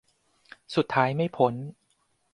สุดท้ายไม่พ้น